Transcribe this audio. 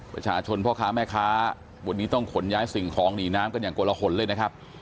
ประชาชนพ่อค้าแม่ค้าวันนี้ต้องขนย้ายสิ่งของหนีน้ำกันอย่างกลหนเลยนะครับ